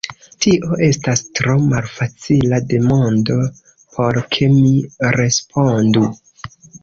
Tio estas tro malfacila demando por ke mi respondu.